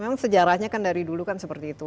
memang sejarahnya dari dulu seperti itu